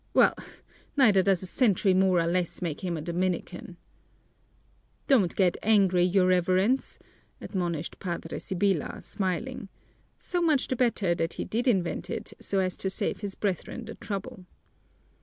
"Well, neither does a century more or less make him a Dominican." "Don't get angry, your Reverence," admonished Padre Sibyla, smiling. "So much the better that he did invent it so as to save his brethren the trouble."